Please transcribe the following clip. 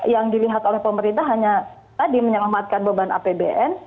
yang dilihat oleh pemerintah hanya tadi menyelamatkan beban apbn